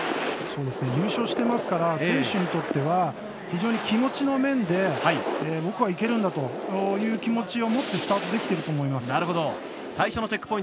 優勝していますから選手にとっては非常に気持ちの面で、僕はいけるんだという気持ちを持ってスタートできていると思います。